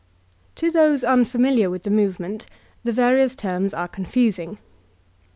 To those unfamiliar with the movement, the various terms are confusing.